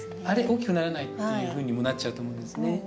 大きくならないっていうふうにもなっちゃうと思うんですね。